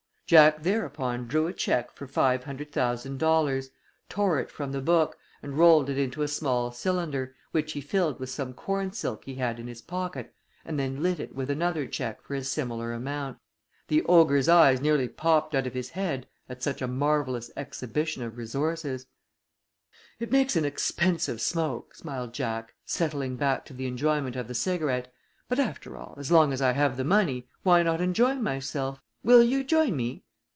Jack thereupon drew a check for $500,000, tore it from the book, and rolled it into a small cylinder, which he filled with some corn silk he had in his pocket, and then lit it with another check for a similar amount. The ogre's eyes nearly popped out of his head at such a marvellous exhibition of resources. "It makes an expensive smoke," smiled Jack, settling back to the enjoyment of the cigarette, "but after all, as long as I have the money, why not enjoy myself? Will you join me?"